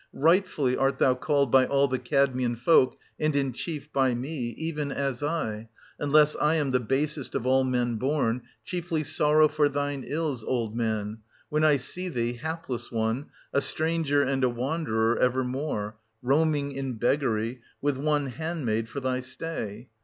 Rightfully art thou called by all the Cad mean folk, and in chief by me, even as I — unless I am the basest of all men born — chiefly sorrow for thine ills, old man, when I see thee, hapless one, a stranger and a wanderer ever more, roaming in beggary, with one handmaid for thy stay.